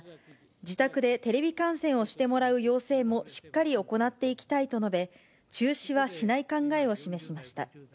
自宅でテレビ観戦をしてもらう要請もしっかり行っていきたいと述べ、中止はしない考えを示しました。